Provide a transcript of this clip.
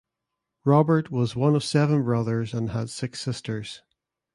Robert was one of seven brothers and had six sisters.